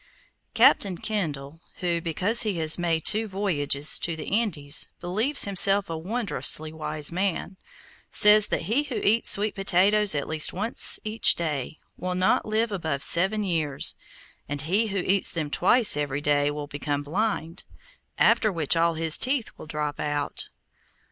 Captain Kendall, who, because he has made two voyages to the Indies, believes himself a wondrously wise man, says that he who eats sweet potatoes at least once each day will not live above seven years, and he who eats them twice every day will become blind, after which all his teeth will drop out.